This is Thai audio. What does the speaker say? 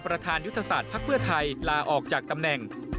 ประธานยุทธศาสตร์ภักดิ์เพื่อไทยลาออกจากตำแหน่ง